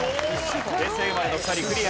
平成生まれの２人クリア。